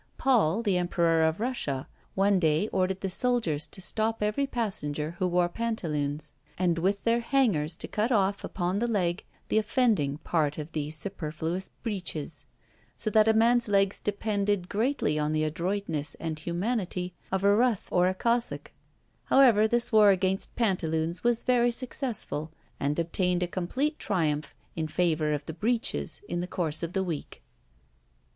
Paul, the Emperor of Russia, one day ordered the soldiers to stop every passenger who wore pantaloons, and with their hangers to cut off, upon the leg, the offending part of these superfluous breeches; so that a man's legs depended greatly on the adroitness and humanity of a Russ or a Cossack; however this war against pantaloons was very successful, and obtained a complete triumph in favour of the breeches in the course of the week.